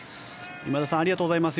今田さんありがとうございます。